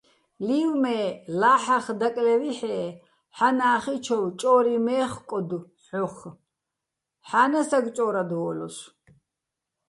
ლი́ვ მე, ლაჰ̦ა́ხ დაკლე́ვიჰ̦ე́, ჰ̦ანა́ხიჩოვ ჭო́რი მე́ხკოდო̆ ჰ̦ოხ, - ჰ̦ა́ნასაკ ჭო́რადვო́ლოსო̆.